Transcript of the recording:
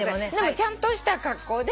ちゃんとした格好で。